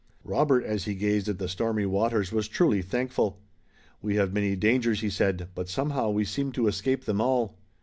Robert as he gazed at the stormy waters was truly thankful. "We have many dangers," he said, "but somehow we seem to escape them all."